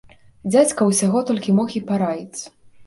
Дзядзька ўсяго толькі мог і параіць.